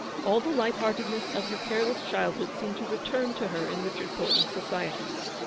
All the light heartedness of her careless childhood seemed to return to her in Richard Thornton's society.